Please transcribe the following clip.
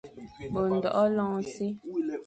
Be ndôghe lôr ôsṽi,